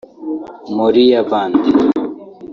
Moriah Band